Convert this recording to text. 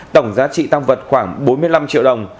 tổng giá trị tăng vật khoảng bốn mươi năm triệu đồng